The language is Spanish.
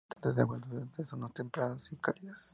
Son habitantes de agua dulce de zonas templadas y cálidas.